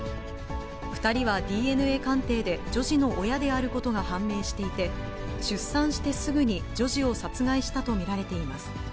２人はＤＮＡ鑑定で女児の親であることが判明していて、出産してすぐに女児を殺害したと見られています。